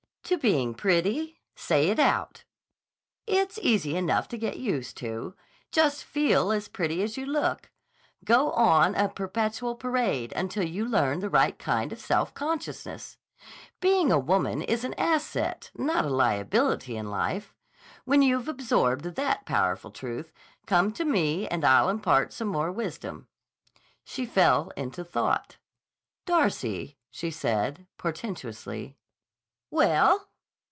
"To being pretty? Say it out. It's easy enough to get used to. Just feel as pretty as you look. Go on a perpetual parade until you learn the right kind of self consciousness. Being a woman is an asset, not a liability in life. When you've absorbed that powerful truth, come to me and I'll impart some more wisdom." She fell into thought. "Darcy," she said portentously. "Well?"